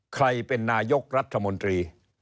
ใครเป็นนายกรัฐมนตรี